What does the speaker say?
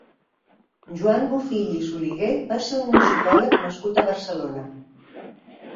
Joan Bofill i Soliguer va ser un musicòleg nascut a Barcelona.